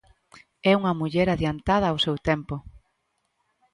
É unha muller adiantada ao seu tempo.